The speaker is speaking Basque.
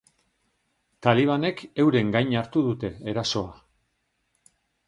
Talibanek euren gain hartu dute erasoa.